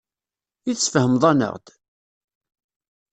I tesfehmeḍ-aneɣ-d?